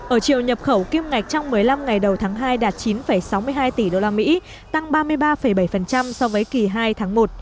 ở chiều nhập khẩu kim ngạch trong một mươi năm ngày đầu tháng hai đạt chín sáu mươi hai tỷ usd tăng ba mươi ba bảy so với kỳ hai tháng một